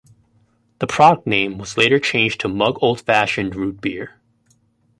The product name was later changed to Mug Old Fashioned Root Beer.